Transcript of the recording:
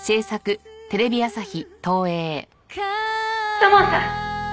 「土門さん！